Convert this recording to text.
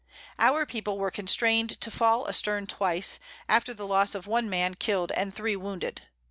Our People were constrain'd to fall a stern twice, after the loss of one Man kill'd and three wounded.